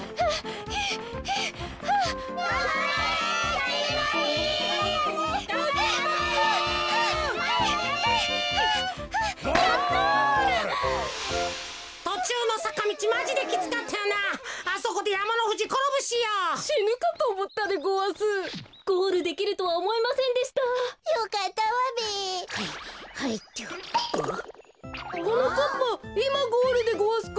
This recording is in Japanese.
はなかっぱいまゴールでごわすか？